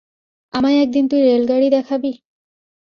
আমায় একদিন তুই রেলগাড়ি দেখাবি?